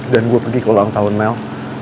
dan gue pergi ke ulang tahun mel